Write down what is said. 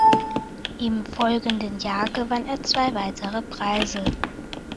Im folgenden Jahr gewann er zwei weitere Preise.